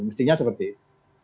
mestinya seperti ini